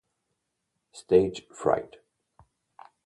Stage Fright